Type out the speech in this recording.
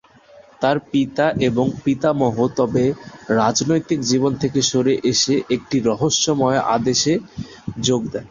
তার পিতা এবং পিতামহ, তবে, রাজনৈতিক জীবন থেকে সরে এসে একটি রহস্যময় আদেশে যোগ দেন।